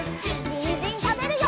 にんじんたべるよ！